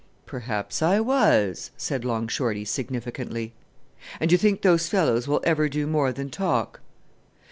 "Perhaps I was," said Long Shorty significantly. "And you think those fellows will ever do more than talk?"